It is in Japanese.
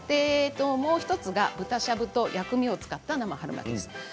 もう１つは豚しゃぶと薬味を使った生春巻きです。